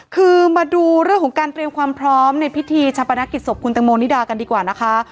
คือมาดูเรื่องของการเตรียมความพร้อมในพิธีชาปนกิจศพคุณตังโมนิดากันดีกว่านะคะ